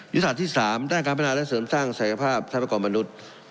ยุทธศาสตร์ที่๓ด้านการพัฒนาและเสริมสร้างศักยภาพทรัพกรมนุษย์